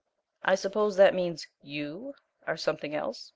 "I suppose that means YOU are something else?"